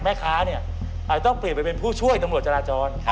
แม้ค้าเนี่ยอาจต้องเปลี่ยนไปเป็นผู้ช่วยโมโลจราจร